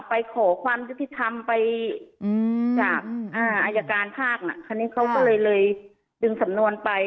ไปขอความยุติธรรมไปจากอายการภาคน่ะคราวนี้เขาก็เลยดึงสำนวนไป